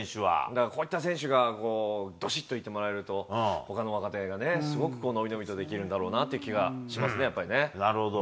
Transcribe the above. だからこういった選手がどしっといてもらえると、ほかの若手がすごく伸び伸びとできるんだろうなという気がしますなるほど。